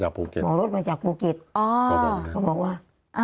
เขาบอกว่า